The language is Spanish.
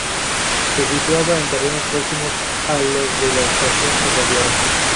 Se situaba en terrenos próximos a los de la estación ferroviaria.